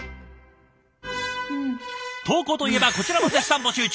投稿といえばこちらも絶賛募集中。